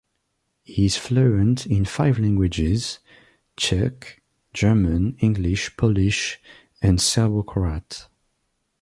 He is fluent in five languages - Czech, German, English, Polish and Serbo-Croat.